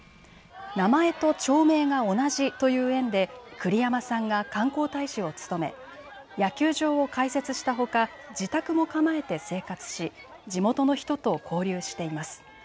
名前と町名が同じという縁で栗山さんが観光大使を務め野球場を開設したほか自宅も構えて生活し地元の人と交流しています。